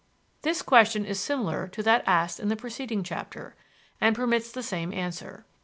This question is similar to that asked in the preceding chapter, and permits the same answer.